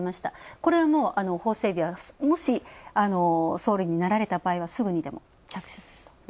これは法整備はもし、総理になられた場合はすぐにでも着手すると？